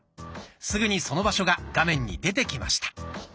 すぐにその場所が画面に出てきました。